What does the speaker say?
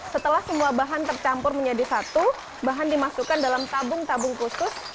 setelah semua bahan tercampur menjadi satu bahan dimasukkan dalam tabung tabung khusus